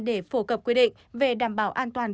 để phổ cập quy định về đảm bảo an toàn